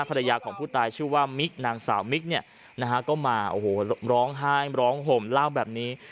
ภรรยาของผู้ตายชื่อว่ามิกนางสาวมิกเนี่ยนะฮะก็มาโอ้โหร้องไห้ร้องห่มเล่าแบบนี้